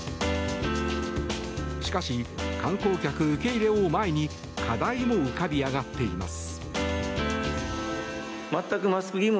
しかし、観光客受け入れを前に課題も浮かび上がっています。